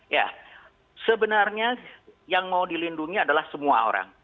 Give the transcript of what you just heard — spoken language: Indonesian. ya sebenarnya yang mau dilindungi adalah semua orang